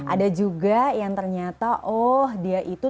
ada juga yang ternyata oh dia itu